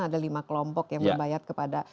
ada lima kelompok yang berbayat kepada